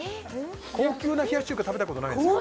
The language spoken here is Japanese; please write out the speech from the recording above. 高級な冷やし中華食べたことないですか？